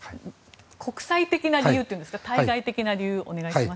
国際的な理由というんですか対外的な理由をお願いします。